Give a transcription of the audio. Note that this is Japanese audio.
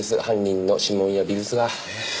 犯人の指紋や微物が。え？